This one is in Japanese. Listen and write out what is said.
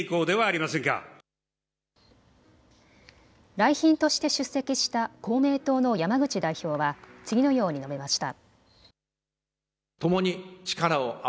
来賓として出席した公明党の山口代表は次のように述べました。